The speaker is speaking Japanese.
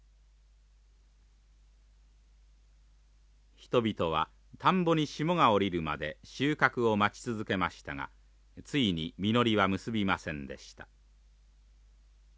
人々は田んぼに霜が降りるまで収穫を待ち続けましたがついに実りは結びませんでした。